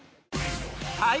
はい。